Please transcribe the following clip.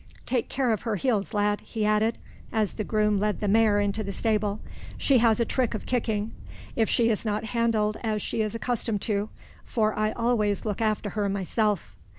Take care of her heels, lad," he added, as the groom led the mare into the stable: "she has a trick of kicking, if she is not handled as she is accustomed to, for I always look after her myself.